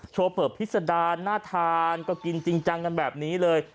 โชว์เปิดพิษดารน่าทานก็กินจริงจังกันแบบนี้เลย